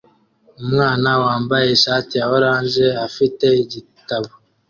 Umwana wambaye ishati ya orange afite igitabo